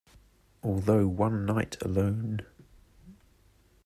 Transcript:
Although One Nite Alone...